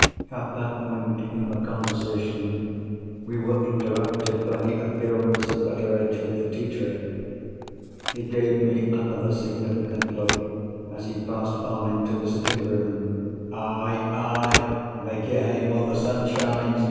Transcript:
At that point in the conversation, we were interrupted by the appearance of Betteredge with the tea tray. He gave me another significant look as he passed on into the sitting room. "Aye! aye! make your hay while the sun shines.